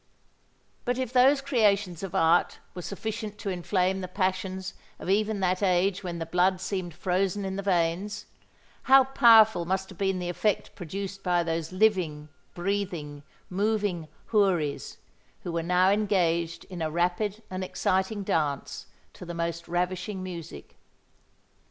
But if those creations of art were sufficient to inflame the passions of even that age when the blood seems frozen in the veins, how powerful must have been the effect produced by those living, breathing, moving houris who were now engaged in a rapid and exciting dance to the most ravishing music.